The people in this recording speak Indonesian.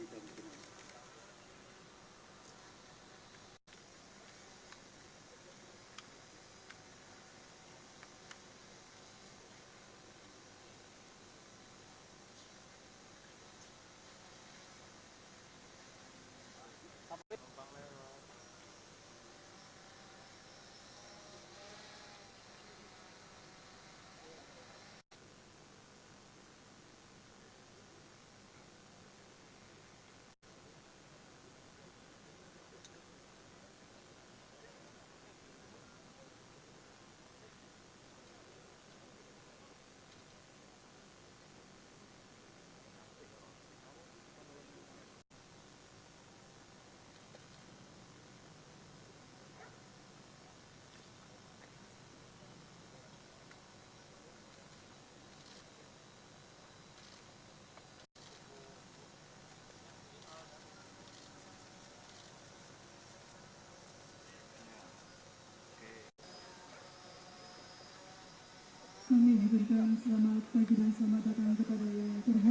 tons terima kasih